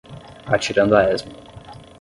Atirando a esmo